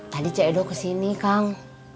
tadi cedoh kesini kang